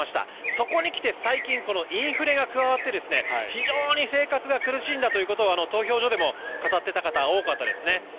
そこにきてインフレが加わって生活が苦しいんだと投票所で語っていた方が多かったです。